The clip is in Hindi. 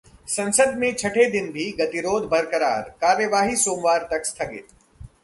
संसद में छठे दिन भी गतिरोध बरकरार, कार्यवाही सोमवार तक स्थगित